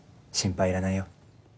心配いらないよ。